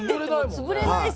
潰れないし。